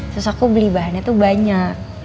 terus aku beli bahannya tuh banyak